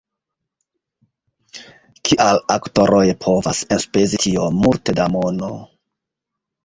Kial aktoroj povas enspezi tiom multe da mono!